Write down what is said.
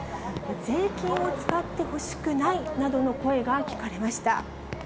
税金を使ってほしくないなどの声が聞かれました。